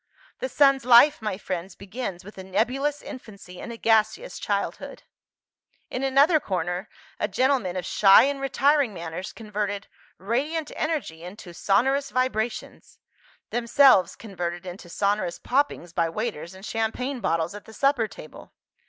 "The sun's life, my friends, begins with a nebulous infancy and a gaseous childhood." In another corner, a gentleman of shy and retiring manners converted "radiant energy into sonorous vibrations" themselves converted into sonorous poppings by waiters and champagne bottles at the supper table.